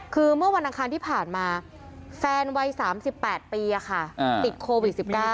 คือเมื่อวันอังคารที่ผ่านมาแฟนวัย๓๘ปีติดโควิด๑๙